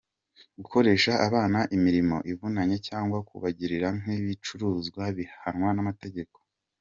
Gukoresha abana imirimo ivunanye cyangwa kubagira nk’ibicuruzwa bihanwa n’amategeko.